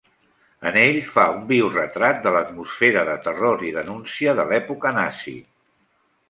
En ell fa un viu retrat de l'atmosfera de terror i denúncia de l'època nazi.